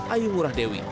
ayu murah dewi